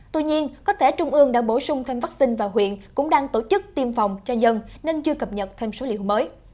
tuy nhiên có thể trung ương đã bổ sung thêm vaccine và huyện cũng đang tổ chức tiêm phòng cho dân nên chưa cập nhật thêm số liệu mới